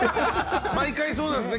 毎回、そうですね。